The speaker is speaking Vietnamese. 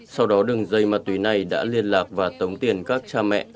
sau đó đường dây ma túy này đã liên lạc và tống tiền các cha mẹ